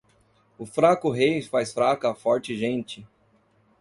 O fraco rei faz fraca a forte gente